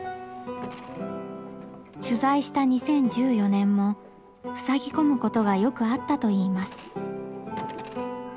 取材した２０１４年もふさぎ込むことがよくあったと言います。